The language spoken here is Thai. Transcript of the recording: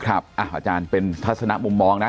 อาจารย์เป็นทัศนะมุมมองนะ